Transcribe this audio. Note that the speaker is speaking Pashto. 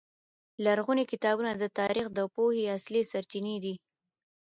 لرغوني کتابونه د تاریخ د پوهې اصلي سرچینې دي.